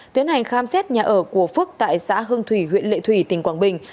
tiến hành khám xét nhà ở của phúc tại xã hưng thủy huyện lệ thủy tỉnh quảng bình